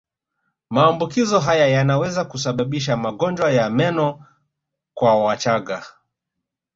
Maambukizo haya yanaweza kusababisha magonjwa ya meno kwa wachanga